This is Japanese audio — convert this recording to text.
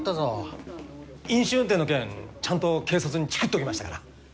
飲酒運転の件ちゃんと警察にチクっときましたから。